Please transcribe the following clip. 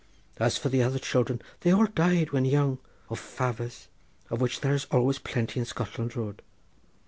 As for the other children, they all died when young, of favers, of which there is always plenty in Scotland Road.